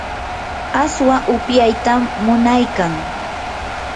aswa upyaytam munaykan.